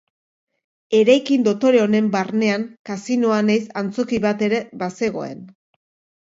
Eraikin dotore honen barnean kasinoa nahiz antzoki bat ere bazegoen.